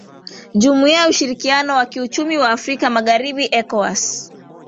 jumuiya ya ushirikiano wa kiuchumi wa afrika magharibi ecowas